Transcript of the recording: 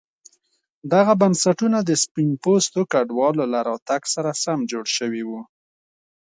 دغه بنسټونه د سپین پوستو کډوالو له راتګ سره سم جوړ شوي وو.